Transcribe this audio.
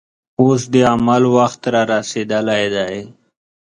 اوس د عمل وخت رارسېدلی دی.